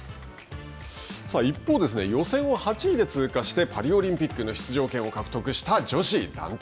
さあ、一方、予選を８位で通過して、パリオリンピックの出場権を獲得した女子団体。